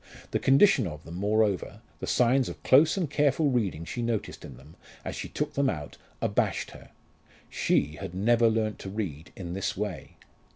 The condition of them, moreover, the signs of close and careful reading she noticed in them, as she took them out, abashed her: she had never learnt to read in this way.